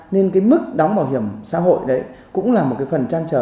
nên mức đóng bảo hiểm xã hội cũng là một phần trang trở